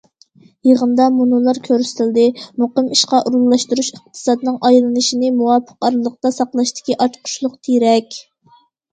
يىغىندا مۇنۇلار كۆرسىتىلدى: مۇقىم ئىشقا ئورۇنلاشتۇرۇش ئىقتىسادنىڭ ئايلىنىشىنى مۇۋاپىق ئارىلىقتا ساقلاشتىكى ئاچقۇچلۇق تىرەك.